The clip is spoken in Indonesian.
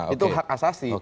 itu hak asasi